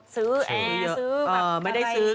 ซื้อแอร์ซื้อแบบอะไรอย่างนี้